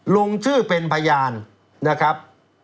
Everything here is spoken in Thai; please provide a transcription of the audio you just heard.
ลงชื่อเป็นพยานนะครับ